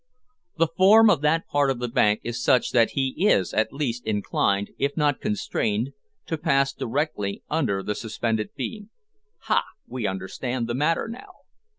The form of that part of the bank is such that he is at least inclined, if not constrained, to pass directly under the suspended beam. Ha! we understand the matter now.